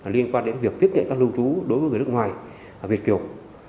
liên quan đến việc tiếp nhận các lưu trú đối với người nước ngoài việt kiều